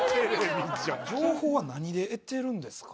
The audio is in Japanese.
情報は何で得てるんですか？